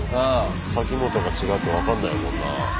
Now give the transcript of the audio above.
サキモトが違うって分かんないもんな。